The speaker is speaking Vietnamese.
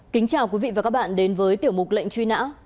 kính chào quý vị và các bạn đến với tiểu mục lệnh truy nã